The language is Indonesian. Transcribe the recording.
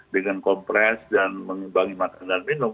dengan kompres dan mengimbangi makan dan minum